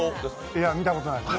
いや、見たことないです。